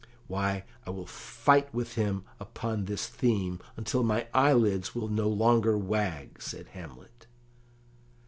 "Why, I will fight with him upon this theme, until my eyelids will no longer wag," said Hamlet.